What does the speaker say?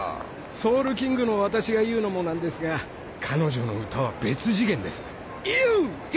ソウルキングの私が言うのもなんですが彼女の歌は別次元です。